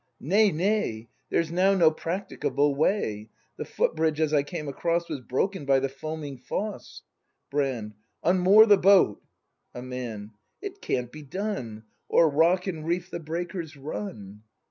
Nay, nay, There's now no practicable way; The footbridge as I came across Was broken by the foaming foss. Brand. Unmoor the boat. A Man. It can't be done; O'er rock and reef the breakers run.